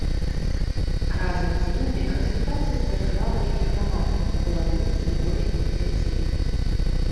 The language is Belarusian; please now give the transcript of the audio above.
Разам з імі развітацца з дзяржавай і грамадствам плануюць двое іх дзяцей.